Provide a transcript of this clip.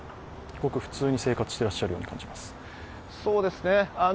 ごく普通に生活してらっしゃるように感じます。